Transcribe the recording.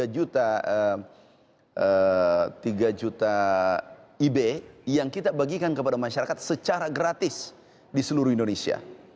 dua tiga juta ib yang kita bagikan kepada masyarakat secara gratis di seluruh indonesia